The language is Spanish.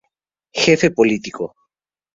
Jefe Político.